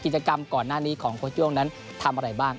กิจกรรมก่อนหน้านี้ของโค้ชโย่งนั้นทำอะไรบ้าง